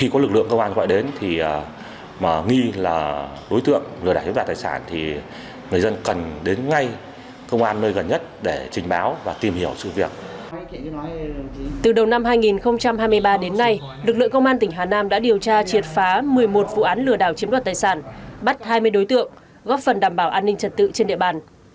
từ đầu năm hai nghìn hai mươi ba đến nay lực lượng công an tỉnh hà nam đã điều tra triệt phá một mươi một vụ án lừa đảo chiếm đoạt tài sản bắt hai mươi đối tượng góp phần đảm bảo an ninh trật tự trên địa bàn